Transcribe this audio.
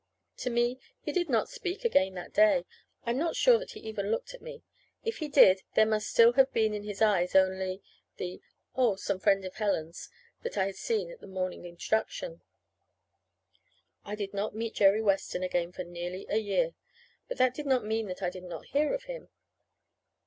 To me he did not speak again that day. I am not sure that he even looked at me. If he did there must still have been in his eyes only the "Oh, some friend of Helen's," that I had seen at the morning introduction. I did not meet Jerry Weston again for nearly a year; but that did not mean that I did not hear of him.